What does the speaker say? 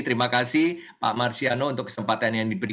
terima kasih pak marsiano untuk kesempatan yang diberikan